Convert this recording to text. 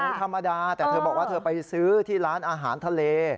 ธรรมดาแต่เธอบอกว่าเธอไปซื้อที่ร้านอาหารทะเล